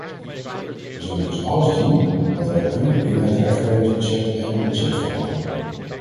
Wij zullen dus alles doen wat wij kunnen binnen het herverdelingsbudget en de budgetverhoging.